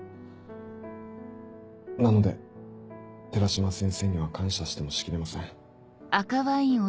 なので寺島先生には感謝してもしきれません。